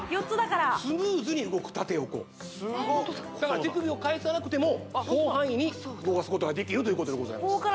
４つだからスムーズに動く縦横すごっだから手首をかえさなくても広範囲に動かすことができるということでございます